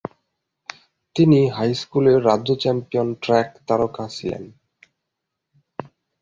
তিনি হাইস্কুলের রাজ্য champion track তারকা ছিলেন।